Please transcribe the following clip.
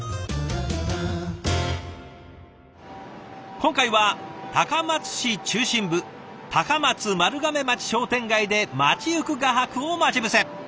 今回は高松市中心部高松丸亀町商店街で街ゆく画伯を待ち伏せ。